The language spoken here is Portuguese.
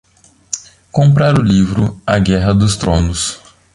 Comprar o livro A Guerra dos Tronos